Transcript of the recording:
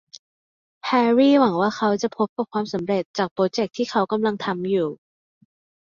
แฮรรี่หวังว่าเขาจะพบกับความสำเร็จจากโปรเจคที่เขากำลังทำอยู่